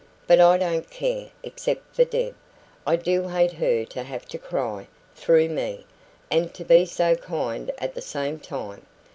But I don't care, except for Deb. I do hate her to have to cry, through me, and to be so kind at the same time.